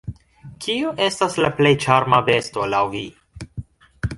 Kiu estas la plej ĉarma besto laŭ vi?